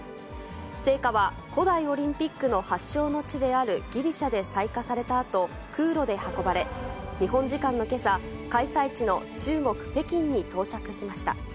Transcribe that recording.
聖火は古代オリンピックの発祥の地であるギリシャで採火されたあと空路で運ばれ、日本時間のけさ、開催地の中国・北京に到着しました。